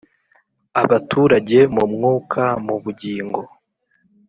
abaturage mu mwuka mu bugingo